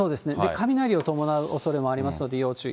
雷を伴うおそれもありますので要注意。